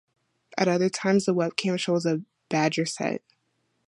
At other times the webcam shows a badger set.